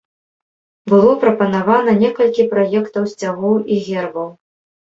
Было прапанавана некалькі праектаў сцягоў і гербаў.